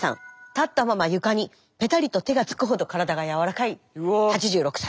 立ったまま床にぺたりと手がつくほど体がやわらかい８６歳。